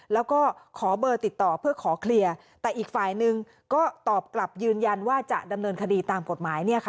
แล้วก็ขอเบอร์ติดต่อเพื่อขอเคลียร์แต่อีกฝ่ายนึงก็ตอบกลับยืนยันว่าจะดำเนินคดีตามกฎหมาย